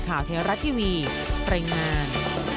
ข่าวเทราะทีวีปรัญงาน